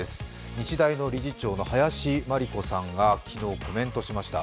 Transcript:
日大の理事長の林真理子さんが昨日コメントしました。